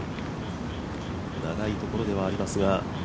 長いところではありますが。